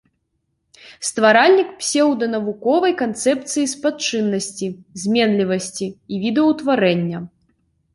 Стваральнік псеўданавуковай канцэпцыі спадчыннасці, зменлівасці і відаўтварэння.